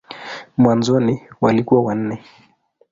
Mwanzoni walikuwa wanne.